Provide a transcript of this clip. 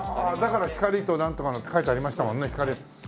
だから光となんとかのって書いてありましたもんね。